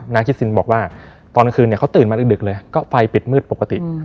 นางคิดซินบอกว่าตอนคืนเขาตื่นมาดึกเลยก็ไฟปิดมืดปกติ